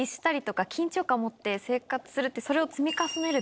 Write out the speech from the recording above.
それを。